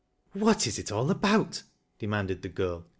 " What is it all about? " demanded the girl.